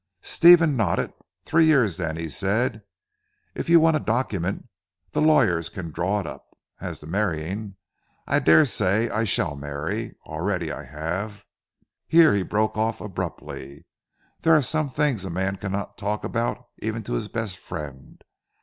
Stephen nodded. "Three years then," he said, "if you want a document, the lawyers can draw it up. As to marrying, I dare say I shall marry. Already I have" here he broke off abruptly, "there are some things a man cannot talk about even to his best friend.